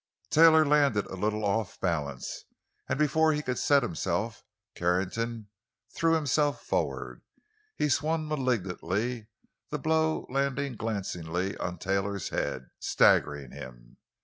Taylor landed a little off balance, and before he could set himself, Carrington threw himself forward. He swung malignantly, the blow landing glancingly on Taylor's head, staggering him.